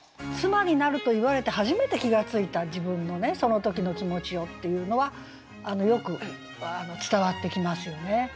「妻になる」と言われて初めて気が付いた自分のその時の気持ちをっていうのはよく伝わってきますよね。